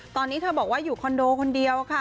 ตอนนี้เธอบอกว่าอยู่คอนโดคนเดียวค่ะ